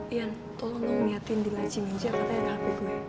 ian tolong lo ngeliatin di laci minja katanya ada hp gue